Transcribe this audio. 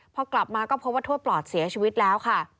พอกลับมาก็พบว่าทวดปลอดเสียชีวิตแล้วค่ะ